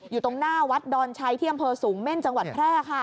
อยู่ตรงหน้าวัดดอนชัยที่อำเภอสูงเม่นจังหวัดแพร่ค่ะ